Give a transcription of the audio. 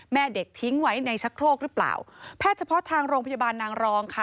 แม่เด็กทิ้งไว้ในชะโครกหรือเปล่าแพทย์เฉพาะทางโรงพยาบาลนางรองค่ะ